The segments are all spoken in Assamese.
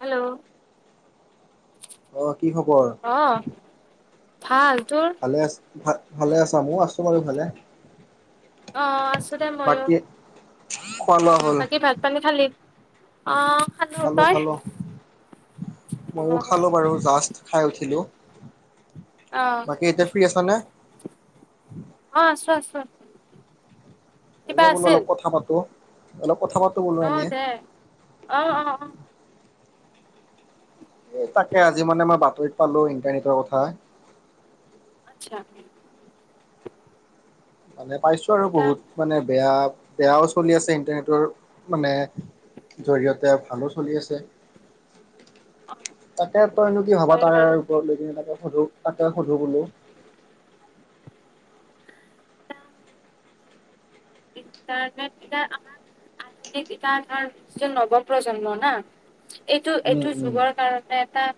হেল্ল' আহ কি খবৰ। অ ভাল তোৰ ভালে আছ ভাল ভালে আছা মই আছো বাৰু ভালে। অ আছো দে ময়ো বাকী খোৱা লোৱা হ'ল বাকী ভাত পানী খালি অ খালো তই খালো অ মইো খালো বাৰু জাষ্ট খাই উঠিলো আহ বাকী এতিয়া ফ্ৰী আছানে আহ আছো আছো কিবা এনে বোলো আছিল অলপ কথা পাতো অলপ কথা বাৰ্তা বো অ এনে দে অ অ অ এ তাকে আজি মানে মই বাতৰিত পালো ইণ্টাৰনেটৰ কথা আচ্ছা মানে পাইছোঁ আৰু এতিয়া বহুত মানে বেয়া বেয়াও চলি আছে ইণ্টাৰনেটৰ মানে জৰিয়তে ভালো চলি আছে অ তাকে তই এনো কি ভবা হয় তাৰে বাৰু ওপৰত লৈ কিনে তাকে সজোগ এটা সজোগলো ইণ্টাৰনেট কেইটা আহা নাই। আধুনিক এত ধৰ যে নৱ প্ৰজন্মৰ ন এইটো উম এইটো উম যুগৰ কাৰণে এটা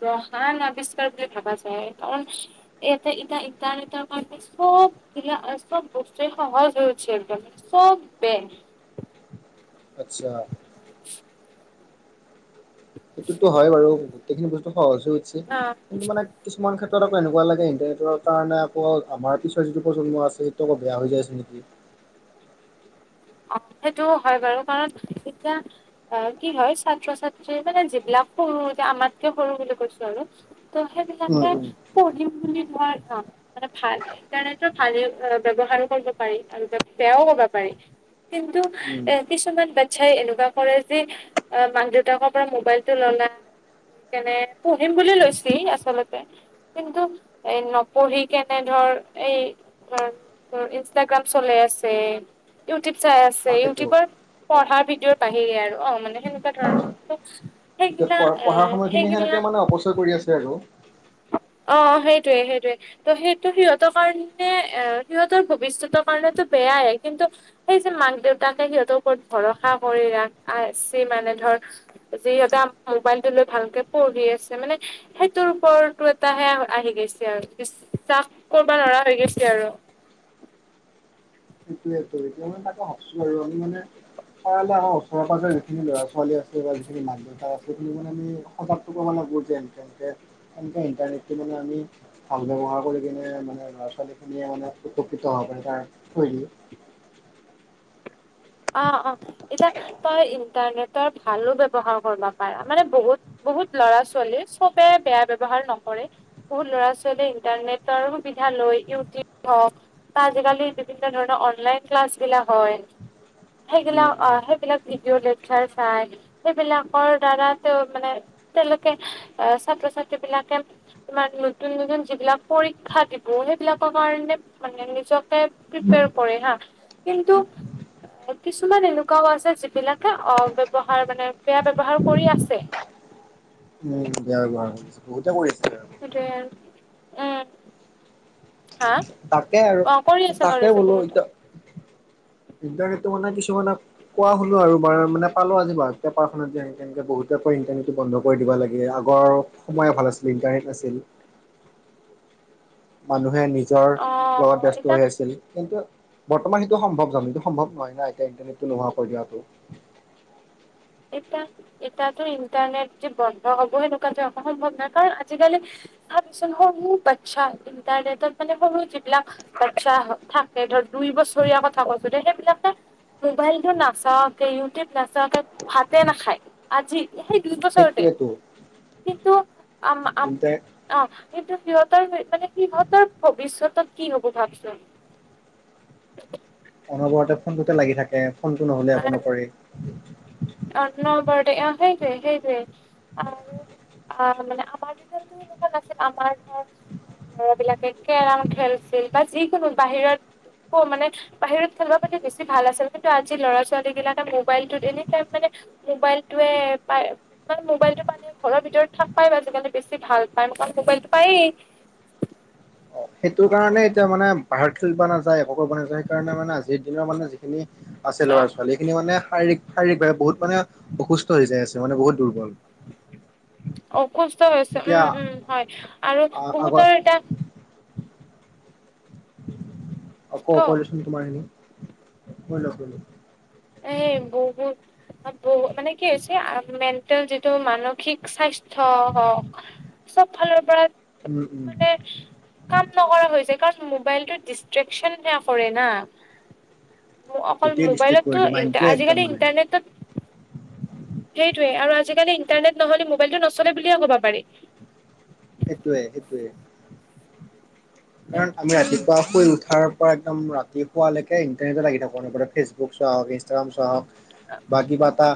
মহান আৱিষ্কাৰ বুলি ভাবা যায় কাৰণ এয়াটা ইদ ইদাৰ ই চব কিয় চব বস্তু সহজ হৈ হৈছে একদমে চব বয় আচ্ছা। [inaudible] সেইটোতো হয় বাৰু গোটেইখিনি বস্তু সহজ হৈ আহ কিন্তু মানে কিছুমান ক্ষেত্ৰ কত আকৌ এনেুৱ লাগে ইণ্টাৰনেটৰ কাৰণে আকৌ আমাৰ পিছৰ যিটো প্ৰজন্ম আছে সেইটো আকৌ বেয়া হৈ যাইছে নেকি উ [unintelligible] অ সেইটোও হয় বাৰু কাৰণ এতিয়া অ কি হয় ছাত্ৰ ছাত্ৰী মানে যিবিলাক সৰুো যে আমাতকে কৰৰুো বুলি কৈছো আৰু ত' উম সেইবিলাকে উম পঢ়িমনি ধোৱাৰ কাম মানে ভাল ইণ্টাৰনেটৰ ভালে ব্যৱহাৰো কৰিব পাৰি আৰু বেয়াও কব পাৰি কিন্তু উম এ কিছুমান ইচ্ছাই এনেকুৱা কৰে যে মাক দেউতাকৰ পৰা মোবাইল টো লল স কেনে পুঢহিম বুলি লৈছি আচলতে কিন্তু এ নপঢ়ি কেনে ধৰ এই ইনষ্টাগ্ৰাম চলে ইউটিউব চাই আছে তাকেতো। ইউটিউবৰ পঢ়াৰ ভিডিঅৰ বাহিৰে আৰু অ মানে সেনেুৱা ধ এতিয়া সেইগিলা পঢ় অ পঢ়াৰ সময়খিনি সেনেকে সেইগা মানে অপচয় কৰি আছে আৰু। অ সেইটোয়ে সেইটোয়ে ত সেইটো সিহঁতৰ কাৰণে অ সিহঁতৰ ভৱিষ্যতৰ কাৰণো বেয়াই কিন্তু সেই যে মাক দেউতাকে সিহঁতৰ ওৰত ভৰসা কৰি ৰাখছি মানে ধৰ যিহতে মোবাইলটো লৈ ভালকে পঢ়ি আছে মানে সেইটোৰ ওপৰত টো এটাহে আহি গৈছে আৰু বিশ্বাস কৰবা লৰা হৈ গৈছে আৰু [inaudible] সেইটোৱে এতিয়া মে তাকে ভাবছো আৰু আমি মানে পে আমাৰ ওচৰেৰ প যে এনেখিন লৰা ছোৱালী আছে এই যিখিনি মাক দেউত আছে সেইিনি মানে আমি সজাপোকো মানে বুজেনেকে তেনেকে ইণ্টাৰনেটটো মানে আমি ভাল ব্ৱহাৰ কৰি কিনে মানে ল'ৰা ছোৱালী খিনিয়ে মানেতকিত হ প তাৰ শৈলী অ', অ এতিয়া তই ইণ্টাৰনেটৰ ভালো ব্যৱহাৰ কৰিব পাৰ মানে বহুত। বহ নু ল বা আজালি বিভিন্ন ধৰৰ অনলন ক্লাছ বিলাক হয় উম সেইবিলাক উম। সেইবিলাক ভিডিঅ' লেকচাৰ চাই সেইবিলাকৰ দ্বাৰা তেওঁ মানে তেওঁলোকে আহ ছাত্ৰ ছাত্ৰী বিলাকে তোমাৰ নতুন নতুন যিবিলাক পৰীক্ষা দিব হে বিলাক কাৰণে নিজকে প্ৰিপেয়াৰ কৰে কিন্তু। কিছুমান এনেকুৱাও আছে যিবিলাকে অব্যৱহাৰ মানে বেয়া ব্যৱহাৰ কৰি আছে। উম বেয়া ব ব বহুতে কৰি আছে আৰু। সেইটোৱে আৰু উম হা তাকে আৰু অ কৰি আছে কৰি তাকে আছে বোলো বহুতে এতিয়া। ইণ্টাৰনেটটো মানে কিছুমানে কোৱা শুনো আৰু বাৰ মানে পালো আজিৰ পেপাৰখনত যে একে এনেকে। বহুত আাকৈ ইণ্টাৰনেটটো বন্ধ কৰি দিব লাগে। আগৰ সময়ে ভাল আছিলে ইণ্টাৰনেট নাছিল। মানুহে নিজৰ অ লগত ব্যস্ত এতিয়া হৈ আছিল। কিন্তু বৰ্তমান সেইটো সম্ভৱ জানো এইটো সম্ভৱ নহয় না। এতিয়া ইন্টাৰনেটটো নোহাৱা কৰি দিয়াতটো। এতিয়া এতাতো ইণ্টাৰনেট যে বন্ধ হ'ব সেনেকুৱা যে অ সম্ভৱ নহয়। কাৰণ আজিকালি ভাবচোন সৰু বাচ্ছা ইণ্টাৰনেট সৰু যি বিলাক বাচ্ছা থাকে। বছৰীয়া কথা কছ সেইবিলাকে মোবাইলতটো নাচাকে ইউটিউব নাচাকে। ভাতে নাখায়। আজি সেই দুই বছৰতে সেইটোৱেতো কিন্তু। আম আ ইণ্টাৰনেট অ এটো দ সিত মানে সিহঁতৰ ভৱিষ্যতত কি হ'ব ভাবিছোন। অনবৰতে ফোনটোতে লাগি থাকে। ফোনটো নহ'লে একো নকৰে। অ ন বাৰড অ সেই য সেইটোৱে আৰু। আহ মানে আমাৰ দিনত সেনেকুৱা নাছিল আমাৰ ধৰ। ল'ৰাবিলাকে কেৰম খেলছিল বা যিকোনো বাহিৰত। মানে বাহিৰত খেলিব পা বেছি ভাল আছিল কিন্তু আজি ল'ৰা ছোৱালী বিলাকে মোবাইলটোত এনে টাইম। মানে মোবাইল টোৱে পাই মানে। মোবাইলতটো পালে ঘৰৰ ভিতৰত থাক পায় আজিকালি বেছি ভাল। [unintelligible] মোবাইলটো পাই। [unintelligible] সেইটো কাৰণে এতিয়া মানে ভাৰত খেলবৰ নাযায়। একো ব নাযায় সেইকাৰণে মানে আজিৰ দিনৰ মানে যিখিনি। আছে অ ল'ৰা ছোৱালী খিনি মানে। শাৰীৰিক শাৰীৰিকভাৱে বহুত মানে অসুস্থ হৈ যাই আছে মানে বহুত দুৰ্বল। অসুস্থ হৈছে এতিয়া উম উম হয় আৰু আগত বহুতৰ এটা। আকৌ ক অপজচন তোমাৰ এনে মই লগ এই বহুত বহু মানে কি হৈছে মেটেল যিটো মানসিক স্বাস্থ্য। চব ফালৰ পৰা উম উম মানে কাম নকৰা হৈছে। কাৰণ মোবাইল টো দিষ্টচেন না কৰে অকল গোটেই ডিষ্ট্ৰিক্ট মোবাইলত। কৰি ত দিয়ে ই মাইণ্ডটোৱে একদম আজিকালি মানে ইণ্টাৰনেটত সেইটোৱে আৰু আজিকালি ইণ্টাৰনেট নহলে মোবাইলটো নচলে বুলিয়ে ক'ব পাৰি। সটোৱে এইটোৱে। কাৰণ আমি উম ৰাতিপুৱা শুই উঠাৰ পৰা একদম। তিখোৱালৈকে ইণ্টাৰনেটত লাগি থাকো। ফেচবুক চোৱা হওক ইনষ্টাগ্ৰাম চোৱাহক। বা কিবা এটা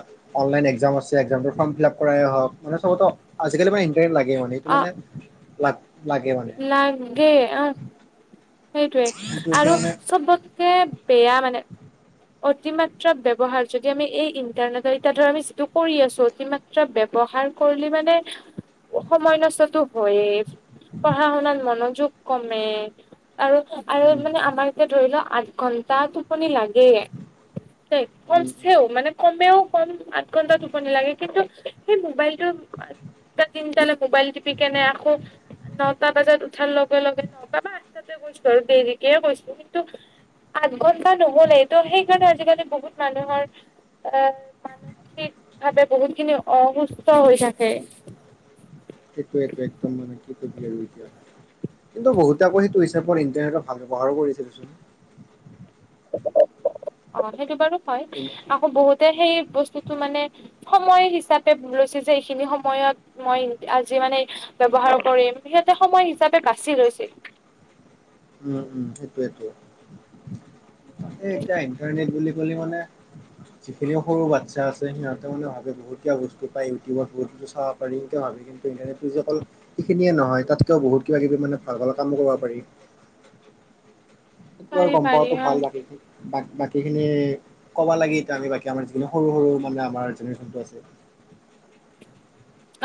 অনলাইন একজাম আছে, ফৰ্ম ফিল আপ কৰাই হক, মানে চবতো আজিকালি ইমান ইণ্টাৰনেট লাগে। মানে অ মানে লাগ। লাগে মানে লাগে অ সেইটোৱে কিন্তু আৰু এতিয়া মানে চবতকে। পয়াা মানে, অতিমাত্ৰা ব্যৱহাৰ যদি আমি এই ইন্টাৰনেটৰ এতি ধ আমি যিটো কৰি আছো অতিমাত্ৰা ব্যয়ৱহাৰ। াৰ কৰিলে মানে সময় নষ্টতো হয়ে। পঢ়া শুনাত মনোযোগ কমে আৰু আৰু উম মানে আমাৰ এতিয়া ধৰি লওক। আঠ ঘণ্টা টোপনি লাগে একম উম উম চেও মানে। কমেও কম আঠ ঘন্টা টোপনি লাগে কিন্তু সেই মোবাইলটো। টা তিন্ত নে মোবাইল টিপি কেনাই আকৌ। নটা বজাত উঠাৰ লগে লগে নটা বা আঠটাতে গৈছো আৰু দেৰিকেে গৈছো কিন্তু আঠ ঘন্টা নহলেই ত' সেইকাৰণে আজিকালি বহুত মানুহৰ আহ মান ঠিক ভাৱে বহুত খিনি অসুস্থ হৈ থাকে। সেইটোৱেটো [unintelligible] কিন্তু বহুত আকৌ সেইটো হিচাপত ইন্টাৰনেটৰ ভাল ব্যৱহাৰো কৰিছিলোঁচোন। অ সেইটো বাৰো হয় আকৌ বহুতে সেই বস্তুতটো মানে সময় হিচাপে লৈছে। যে এইখিনি সময়ত মই আজি মানে ব্যৱহাৰ কৰিম। সময় হিচাপে বাচি লৈছিল। উম উম সেইটোয়েইেতো তাকেই এতিয়া ইণ্টাৰনেট বুলি। বুলি মানে। যিখিনি সৰু বাচা আছে সিহঁতে মানে ভাবে বুতীয়া বস্তু পায় ইউটিউবত বহুতো চাব পাৰি ভাবি কিন্তু। [unintelligible] নহয় তাতকেও বহুত কিবা কিবি মানে ভাল ভাল কামো কৰিব পাৰি। আৰু পাৰি গম পাৰি পাৱাতটো অ'। ভাল লাগে বাক। বাকী খিনি ক'বা লাগি এ আমি বাকি আমাৰ যিখিনি সৰু সৰু মানে আমাৰ জেনেৰে্যনটো আছে। [unintelligible]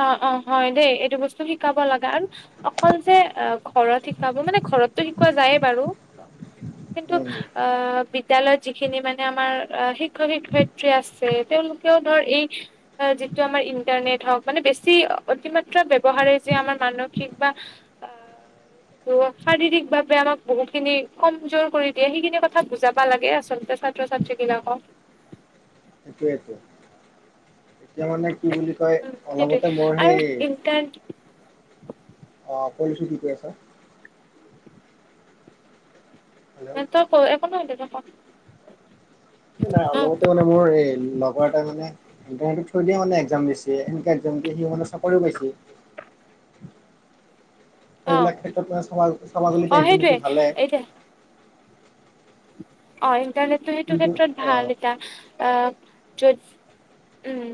অ', অ', হয় দেই এইটো বস্তু শিকাব লগা। আৰু অকল যে অ ঘৰত শিকাব মানে ঘৰতটো শিকোৱা যায়ে বাৰু। কিন্তু উম অ বিদ্যয়ালয়ত যিখিনি মানে আমাৰ। শিক্ষক শিক্ষয়িত্ৰী আছে। তেওঁলোকেও ধৰ এই যিটো আমাৰ ইন্টাৰনেট হওঁক। মানে বেছি অতিমাত্ৰা ব্যৱহাৰে যে আমাৰ মানসিক বা আহ। ত শাৰীৰিক ভাৱে আমাক বহু খিনি কমজোৰ কৰি দিয়ে। সেইখিনি কথা বুজাবা লাগে আচলতে। ছাত্ৰ-ছাত্ৰী বিলাকক। [unintelligible] যেতিয়া মানে কি বুলি কয় উম সেইটোৱে অলপতে মোৰ আৰু সেই। ইণ্টাৰনেট অ কৰিছো কেতিয়াবা। হেল্ল' [unintelligible] নাই অলপতে অ মানে মোৰ এই লগৰ এটা মানে। ইণ্টাৰনেটত থৈ দিয়ে মানে এক্সাম দিছে। এনে এক্সাম দি সি মানে চাকৰি পাইছে। [unintelligible] সেইবিলাক ক্ষেত্ৰত মানে অ স্বভাগলাই সেইটোৱে ইন্দিনিটো ভালে। এতিয়া অ ইণ্টাৰনেটটো সেইটো কিন্তু ক্ষেত্ৰত অ ভাল এতিয়া অ। উম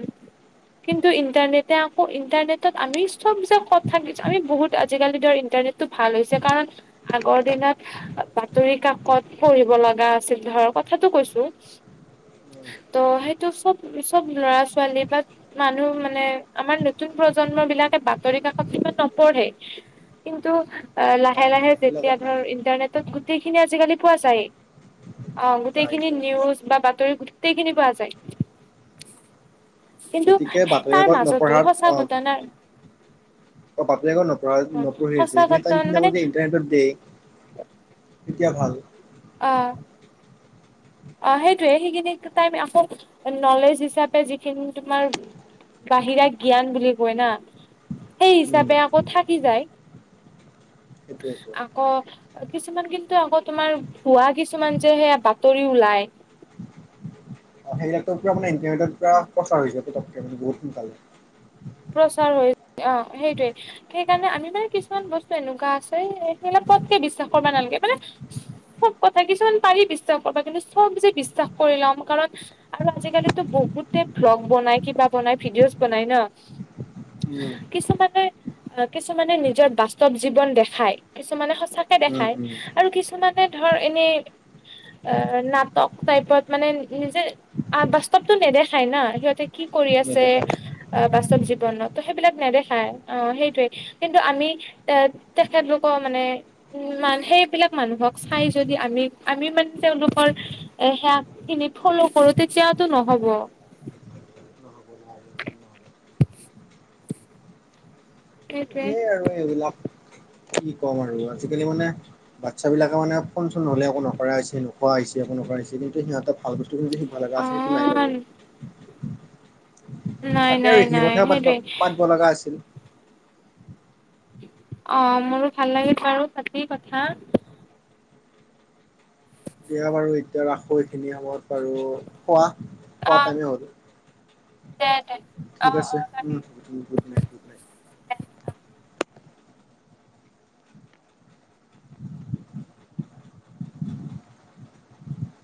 কিন্তু ইণ্টাৰনেটে আকৌ ইণ্টাৰনেটত আমি [unintelligible] আজিকালি ধৰ ইন্টাৰনেটতটো ভাল হৈছে কাৰণ আগৰ দিনত বাতৰি কাকত পঢ়িব ল। আ আছিল ধৰ কথাতটো কৈছো। উম, ত' সেইটো চব চব ল'ৰা ছোৱালী বা মানুহ মানে আমাৰ নতুন। প্ৰজন্ম বিলাকে বাতৰি কাকত ইমান নপঢ়ে। কিন্তু অ লাহে নাই লাহে নাই সেই যেতিয়া লগত নাই ধৰ ইণ্টাৰনেটত গোটেইখিনি আজিকালি পোৱা যায়। অহ যায় গোটেইখিনি যায় নিউজ বা বাতৰি গোটেইখিনি পোৱা যায়। কিন্তু গতিকে তাৰ বাতৰিাকত মাজতো সঁচা নপঢ়াত ঘটনাৰ অহ বাতৰি-কাকত নপঢ়া নপঢ়ি সঁচা আছে। সেই ঘটনা টাইি মানে আকৌ যে ইণ্টাৰনেটত দে তেতিয়া ভাল। আহ। অ সেইটোৱে। সেইখিনি টাইম আকৌ নলেজ হিচাপে যিখিনি তোমাৰ। বাহিৰা জ্ঞান বুলি কয় না। সেই উম হিচাপে আকৌ থাকি যায়। সেইটোৱেতো আকৌ কিছুমান কিন্তু আকৌ তোমাৰ পুৱা কিছুমান যে সেয়া বাতৰি। নোলাই। সেইবিলাকো পৰা মানে ইণ্টাৰনেটৰ পোৱা প্ৰচাৰ হৈ যায় পতকে মানে বহুত সোনকালে। প্ৰচাৰ হৈ অ সেইটোয়ে। সেইকাৰণে আমি বাৰু কিছুমান বস্তু এনেকুৱা আছে। এই এইবিলাক পতকে বিশ্বাস কৰবা নালাগে। মানে [inaudible] চব কথা কিছুমান পাৰি বিশ্বাস কৰা। কিন্তু চব যে বিশ্বাস কৰি ল'ম কাৰণ আৰু আজিকালিতো। বহুতে ভ্লগ বনাই কিবা বনাই ভিডিঅ'জ বনাই ন উম। কিছুমানে আহ কিছুমানে নিজৰ বাস্তৱ জীৱন দেখাই কিছুমানে সচা। চাকে উম দেখায়। উম আৰু কিছুমানে ধৰ এনেই অ নাটক টাইপত মানে, নিজে বাস্তৱতটো নেদেখায় না সিহঁতে। কি কৰি আছে নেদেখাই বাস্তৱ ত জীৱনত সেইবিলাক নেদেখায় অ সেইটোয়ে কিন্তু আমি এ তেখেতলোকৰ মানে মান সেইবিলাক মানুহক চাই যদি আমি আমি মানে তেওঁলোকৰ এ সেয়া খিনিত ফলো কৰো তেতিয়াতটো নহ'ব [inaudible] সেইটোৱে আৰু এইবিলাক কি ক'ম আৰু আজিকালি মানে বাচ্ছা বিলাকে মানে ফোন চোন হলে একো নকৰা হৈছে নোখোৱা হৈছে একো নকৰা হৈছে কিন্তু সিহঁতৰ ভাল বস্তু শিব লগা অ আছে সেইটো নাই বাৰু নাই তাকে নাই আৰু এইখিনি নাই কথাই পাতিব সেইটোৱে পাতবো লগা আছিল অ মোৰো ভাল লাগিছে আৰু [unintelligible] কথা দিয়া বাৰু এতিয়া ৰাখো এইখিনি বাৰু খোৱা খোৱা অ টাইমে হ'ল দে দে অ ঠিক অ আছে উ তাকে উ গুড নাইট গুড নাইট [inaudible]